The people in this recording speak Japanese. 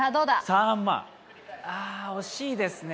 あー、惜しいですね。